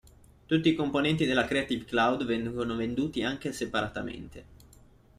Tutti i componenti della Creative Cloud vengono venduti anche separatamente.